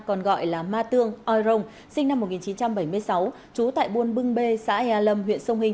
còn gọi là ma tương oirong sinh năm một nghìn chín trăm bảy mươi sáu trú tại buôn bưng bê xã hè lâm huyện sông hình